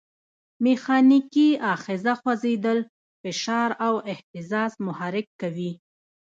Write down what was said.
میخانیکي آخذه خوځېدل، فشار او اهتزاز محرک کوي.